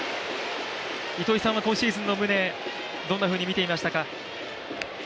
糸井さんは今シーズンの宗、どんなふうに見ていましたか？